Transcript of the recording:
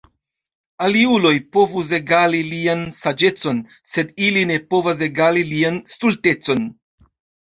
Aliuloj povus egali lian saĝecon, Sed ili ne povas egali lian stultecon.